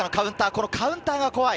このカウンターが怖い。